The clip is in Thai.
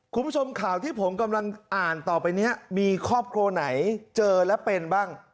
คุณผู้ชมข่าวที่ผมกำลังอ่านต่อไปนี้มีครอบครัวไหนเจอและเป็นบ้าง